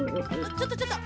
ちょっとちょっと。